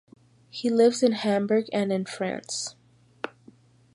He lives in Hamburg and in France.